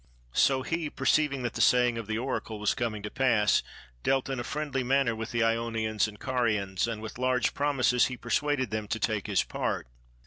So he, perceiving that the saying of the Oracle was coming to pass, dealt in a friendly manner with the Ionians and Carians, and with large promises he persuaded them to take his part.